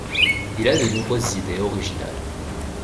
Il a de nombreuses idées originales.